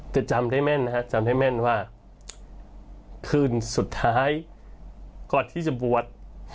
จำได้แม่นนะฮะจำได้แม่นว่าคืนสุดท้ายก่อนที่จะบวช